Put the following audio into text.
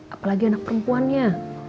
apalagi anak perempuannya